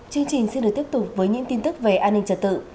chương trình sẽ được tiếp tục với những tin tức về an ninh trả tự